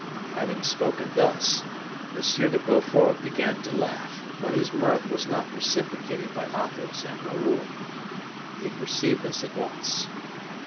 Having spoken thus, M. de Beaufort began to laugh; but his mirth was not reciprocated by Athos and Raoul. He perceived this at once.